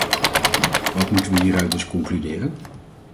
Wat moeten we hieruit dus concluderen?